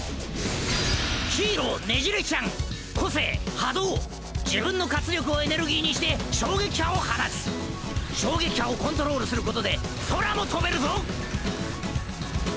ヒーロー自分の活力をエネルギーにして衝撃波を放つ衝撃波をコントロールすることで空も飛べるぞ！